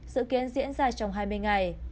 sự kiến diễn ra trong hai mươi ngày